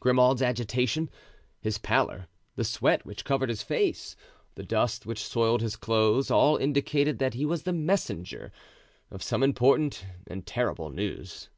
Grimaud's agitation, his pallor, the sweat which covered his face, the dust which soiled his clothes, all indicated that he was the messenger of some important and terrible news.